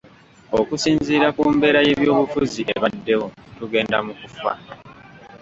Okusinziira ku mbeera y’ebyobufuzi ebaddewo tugenda mu kufa.